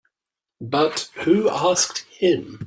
But who asked him?